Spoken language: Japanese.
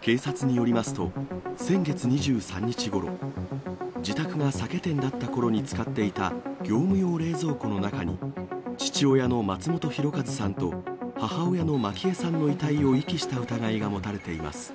警察によりますと、先月２３日ごろ、自宅が酒店だったころに使っていた業務用冷蔵庫の中に、父親の松本博和さんと母親の満喜枝さんの遺体を遺棄した疑いが持たれています。